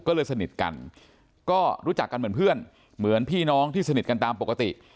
ก็เลยสนิทกันก็รู้จักกันเหมือนเพื่อนเหมือนพี่น้องที่สนิทกันตามปกติ